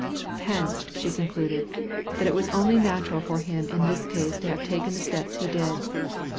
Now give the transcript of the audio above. Hence, she concluded, that it was only natural for him in this case to have taken the steps he did.